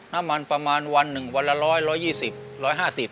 น้ำมันประมาณวันหนึ่งวันละร้อยร้อยยี่สิบร้อยห้าสิบ